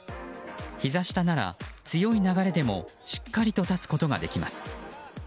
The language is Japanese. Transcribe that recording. ひざ下なら強い流れでもしっかりと立つことができます。